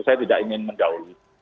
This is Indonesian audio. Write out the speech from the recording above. saya tidak ingin mendahului